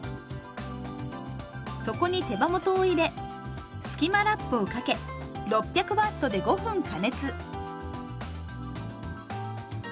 そこに手羽元を入れスキマラップをかけ６００Ｗで５分加熱。